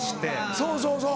そうそうそう！